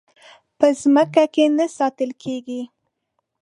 په ځمکه کې نه ساتل کېږي.